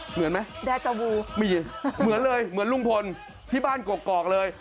เหมือนไหมแดจาวูมีเหมือนเลยเหมือนลุงพลที่บ้านกกอกเลย